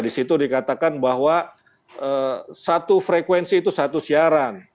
di situ dikatakan bahwa satu frekuensi itu satu siaran